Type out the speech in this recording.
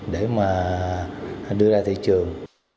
đưa ra thị trường